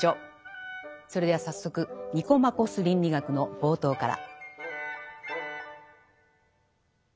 それでは早速「ニコマコス倫理学」の冒頭から。